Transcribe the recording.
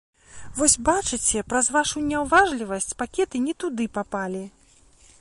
Вось бачыце, праз вашу няўважлівасць пакеты не туды папалі.